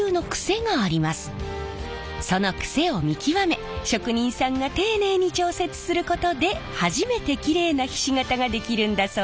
そのクセを見極め職人さんが丁寧に調節することで初めてキレイなひし形が出来るんだそうです。